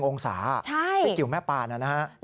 ๑องศาที่เกี่ยวแม่ปานนะครับใช่